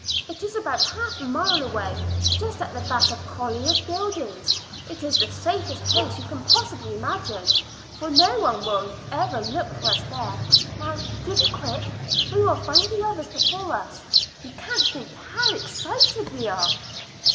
It is about half a mile away, just at the back of Colliers' Buildings. It is the safest place you can possibly imagine, for no one will ever look for us there. Now do be quick; we will find the others before us. You can't think how excited we are."